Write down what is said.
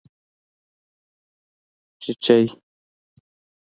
🐤چېچۍ